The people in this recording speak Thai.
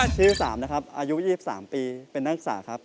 ชื่อ๓นะครับอายุ๒๓ปีเป็นนักศึกษาครับ